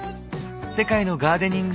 世界のガーデニング